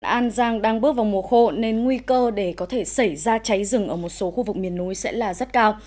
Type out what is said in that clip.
an giang đang bước vào mùa khô nên nguy cơ để có thể xảy ra cháy rừng ở một số khu vực miền núi sẽ là rất cao